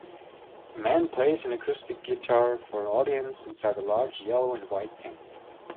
A man plays an acoustic guitar for an audience inside a large yellow and white tent.